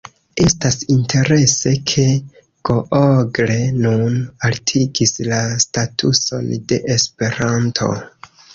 Estas interese, ke Google nun altigis la statuson de Esperanto.